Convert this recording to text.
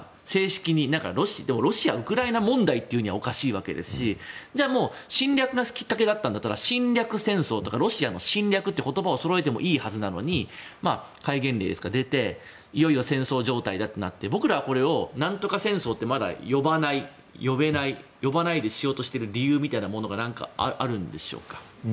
ロシア・ウクライナ問題というにはおかしいわけですし侵略がきっかけなんだったら侵略戦争とかロシアの侵略という言葉をそろえてもいいはずなのに戒厳令が出ていよいよ戦争状態だとなって僕らはこれを何とか戦争と呼ばない、呼べないでいる理由みたいなものが何かあるんでしょうか。